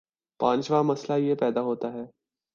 پانچواں مسئلہ یہ پیدا ہوتا ہے